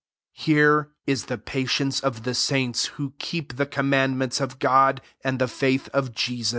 12 Here is the patience of the saints, who keep the com mandments of God, and the faith of Jesus.